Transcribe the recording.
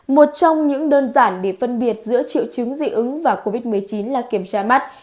một trong những đơn giản để phân biệt giữa triệu chứng dị ứng và covid một mươi chín là kiểm tra mắt